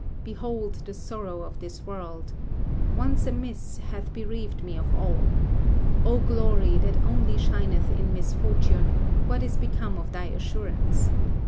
Behold the sorrow of this world! Once amiss, hath bereaved me of all. O Glory, that only shineth in misfortune, what is become of thy assurance?